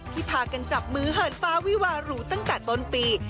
พากันจับมือเหินฟ้าวิวารูตั้งแต่ต้นปี